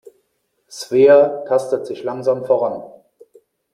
Svea tastet sich langsam voran.